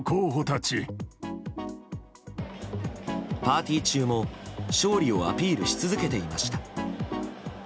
パーティー中も勝利をアピールし続けていました。